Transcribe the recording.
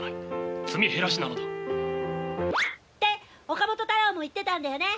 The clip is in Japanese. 岡本太郎も言ってたんだよね！